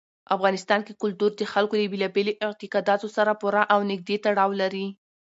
افغانستان کې کلتور د خلکو له بېلابېلو اعتقاداتو سره پوره او نږدې تړاو لري.